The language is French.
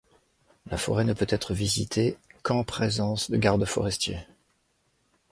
La forêt ne peut être visitée qu’en présence de gardes forestiers.